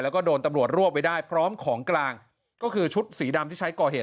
แล้วก็โดนตำรวจรวบไว้ได้พร้อมของกลางก็คือชุดสีดำที่ใช้ก่อเหตุ